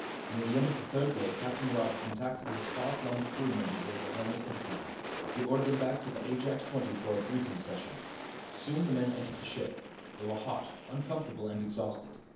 Near the end of the third day Captain Robb contacted his far flung crew members over helmet intercom. He ordered them back to the Ajax XX for a briefing session. Soon the men entered the ship. They were hot, uncomfortable and exhausted.